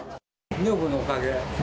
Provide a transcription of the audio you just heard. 女房のおかげ？